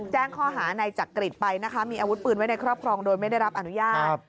แจ้งข้อหาในจักริตไปนะคะมีอาวุธปืนไว้ในครอบครองโดยไม่ได้รับอนุญาต